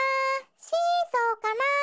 シーソーかな？